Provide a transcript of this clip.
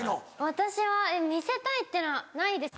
私は見せたいっていうのはないですけど。